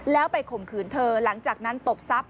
แล้วไปข่มขืนเธอหลังจากนั้นตบทรัพย